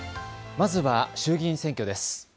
まずは衆議院選挙です。